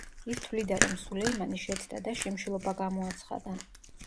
ის თვლიდა, რომ სულეიმანი შეცდა და შიმშილობა გამოაცხადა.